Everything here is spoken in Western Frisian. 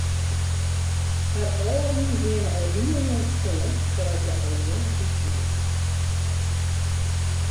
Har âlden wiene al hiel jong stoarn sadat hja al jong ryk wie.